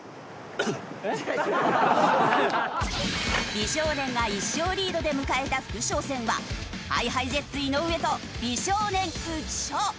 美少年が１勝リードで迎えた副将戦はＨｉＨｉＪｅｔｓ井上と美少年浮所。